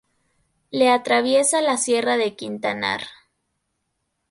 Le atraviesa la sierra de Quintanar.